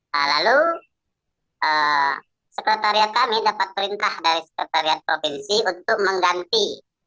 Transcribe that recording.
nah lalu sekretariat kami dapat perintah dari sekretariat provinsi untuk mengganti